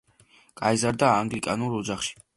გაიზარდა ანგლიკანურ ოჯახში.